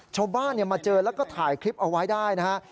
ชาวบ้านมาเจอแล้วก็ถ่ายคลิปเอาไว้ได้นะฮะ